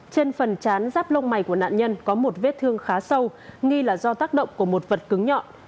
trên phần chán ráp lông mày của nạn nhân có một vết thương khá sâu nghi là do tác động của một vật cứng nhọn